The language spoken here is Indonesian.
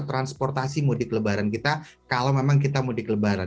transportasi mudik lebaran kita kalau memang kita mudik lebaran